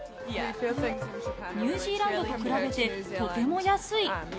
ニュージーランドと比べて、とても安い。